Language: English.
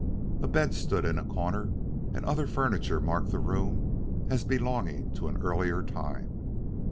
A bed stood in a corner, and other furniture marked the room as belonging to an earlier time.